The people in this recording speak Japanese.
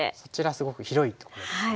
すごく広いとこですよね。